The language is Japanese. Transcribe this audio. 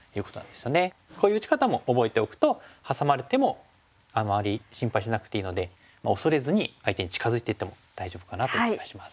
こういう打ち方も覚えておくとハサまれてもあまり心配しなくていいので恐れずに相手に近づいていっても大丈夫かなという気がします。